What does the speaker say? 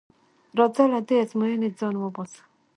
راځه له دې ازموینې ځان وباسه.